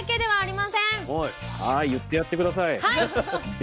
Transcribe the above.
はい。